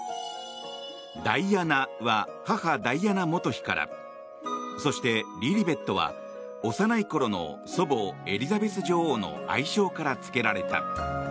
ダイアナは母ダイアナ元妃からそして、リリベットは幼いころの祖母エリザベス女王の愛称から付けられた。